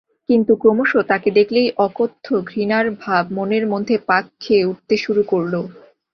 কিন্তু ক্রমশ তাকে দেখলেই অকথ্য ঘৃণার ভাব মনের মধ্যে পাক খেয়ে উঠতে শুরু করল।